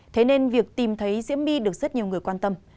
thế nên việc tìm thấy diễm my được rất nhiều người quan tâm